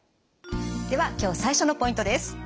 では今日最初のポイントです。